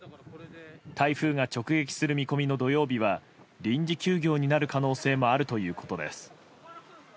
台風が直撃する見込みの土曜日は臨時休業になる可能性もあるということです。